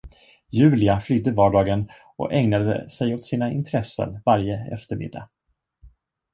Julia flydde vardagen och ägnade sig åt sina intressen varje eftermiddag.